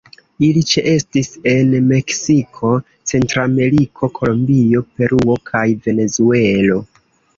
Ili ĉeestis en Meksiko, Centrameriko, Kolombio, Peruo kaj Venezuelo.